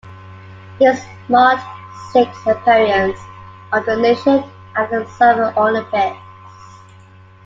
This marked sixth appearance of the nation at a Summer Olympics.